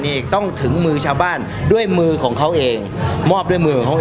อีกต้องถึงมือชาวบ้านด้วยมือของเขาเองมอบด้วยมือของเขาเอง